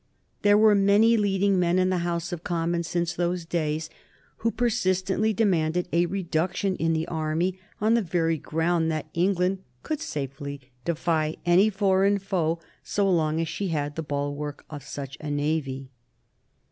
There were many leading men in the House of Commons since those days who persistently demanded a reduction in the Army on the very ground that England could safely defy any foreign foe so long as she had the bulwark of such a Navy.